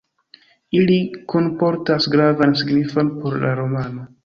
Ili kunportas gravan signifon por la romano.